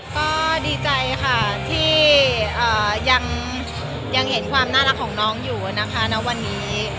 ก็ดีใจค่ะที่ยังเห็นความน่ารักของน้องอยู่นะคะณวันนี้